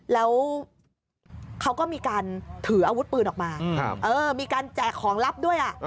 แล้วเขาก็มีการถืออาวุธปืนออกมามีการแจกของลับด้วย